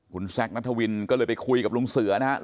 คุณแซคนัทวินก็เลยไปคุยกับลุงเสือนะครับ